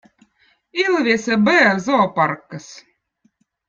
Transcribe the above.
ilvez eb õõ zooparkkõz